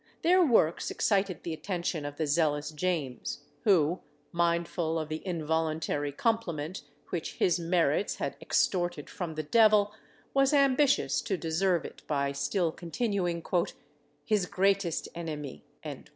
Their works excited the attention of the zealous James, who, mindful of the involuntary compliment which his merits had extorted from the devil, was ambitious to deserve it by still continuing "his greatest enemie."